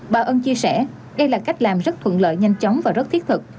bà ân chia sẻ đây là cách làm rất thuận lợi nhanh chóng và rất thiết thực